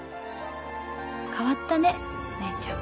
変わったねお姉ちゃん。